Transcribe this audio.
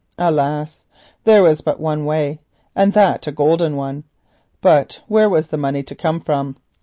Alas! there was but one way and that a golden one; but where was the money to come from?